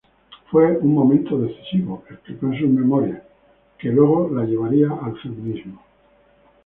Fue un momento decisivo -explicó en sus memorias- que luego la llevaría al feminismo.